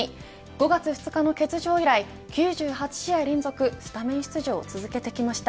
５月２日の欠場以来９８試合連続スタメン出場を続けてきました。